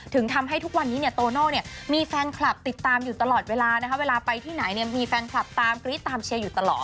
ถึงทำให้ทุกวันนี้เนี่ยโตโน่เนี่ยมีแฟนคลับติดตามอยู่ตลอดเวลานะคะเวลาไปที่ไหนเนี่ยมีแฟนคลับตามกรี๊ดตามเชียร์อยู่ตลอด